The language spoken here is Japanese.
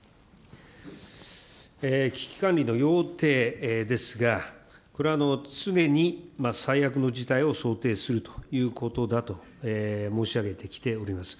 危機管理の要諦ですが、これは常に最悪の事態を想定するということだと申し上げてきております。